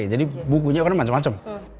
jadi bukunya kan macem macem